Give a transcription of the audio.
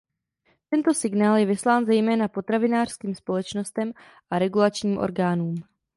Tento signál je vyslán zejména potravinářským společnostem a regulačním orgánům.